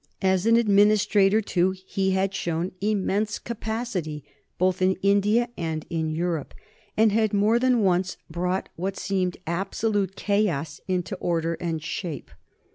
As an administrator, too, he had shown immense capacity both in India and in Europe, and had more than once brought what seemed absolute chaos into order and shape.